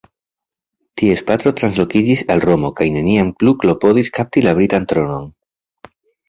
Ties patro translokiĝis al Romo kaj neniam plu klopodis kapti la britan tronon.